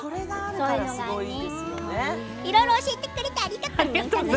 いろいろ教えてくれてありがとうね。